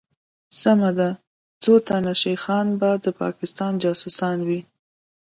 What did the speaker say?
سمه ده څوتنه شيخان به دپاکستان جاسوسان وي